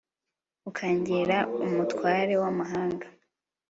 ukangira umutware w'amahanga